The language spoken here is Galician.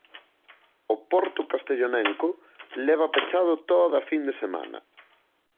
O porto castellonenco leva pechado toda a fin de semana.